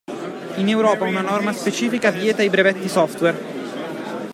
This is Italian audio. In Europa una norma specifica vieta i brevetti software.